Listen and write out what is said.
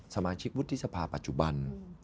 สมาชิกวุฒิสภาปัจจุบัน